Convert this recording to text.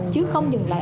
chứ không dừng lại